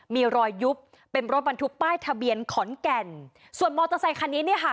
มีรอยยุบเป็นรถบรรทุกป้ายทะเบียนขอนแก่นส่วนมอเตอร์ไซคันนี้เนี่ยค่ะ